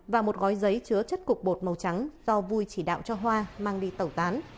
và một gói giấy chứa chất cục bột màu trắng do vui chỉ đạo cho hoa mang đi tẩu tán